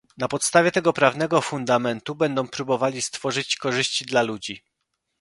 Na podstawie tego prawnego fundamentu będą próbowali stworzyć korzyści dla ludzi